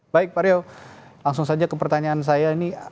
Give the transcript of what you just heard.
baik pak rio langsung saja ke pertanyaan saya ini